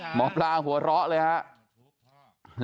หมอปลาหัวเราะเลยครับ